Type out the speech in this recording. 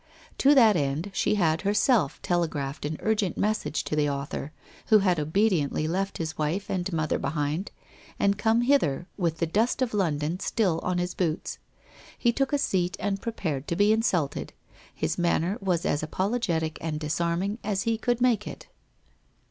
To that end she had herself telegraphed an urgent message to the author, who had obediently left his wife and mother behind and come hither with the dust of London still on his boots. He took a seat and prepared to be insulted. His manner was as apologetic and disarming as he could make it.